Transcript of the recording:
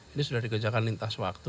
ini sudah dikerjakan lintas waktu